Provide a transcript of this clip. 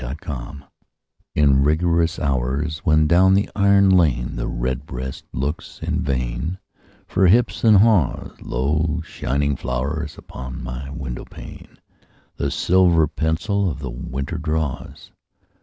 XVII—WINTER In rigorous hours, when down the iron lane The redbreast looks in vain For hips and haws, Lo, shining flowers upon my window pane The silver pencil of the winter draws.